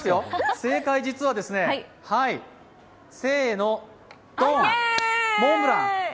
正解、実は、せーの、ドン、モンブラン！